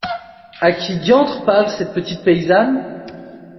À qui diantre parle cette petite paysanne ?